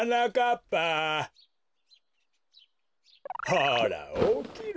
ほらおきろ！